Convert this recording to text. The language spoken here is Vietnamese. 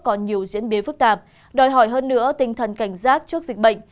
còn nhiều diễn biến phức tạp đòi hỏi hơn nữa tinh thần cảnh giác trước dịch bệnh